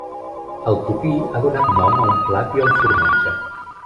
El tupí ha donat nom a un plat i a un formatge.